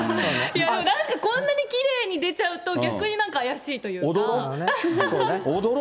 でもなんかこんなにきれいに出ちゃうと、逆になんか怪しいというか。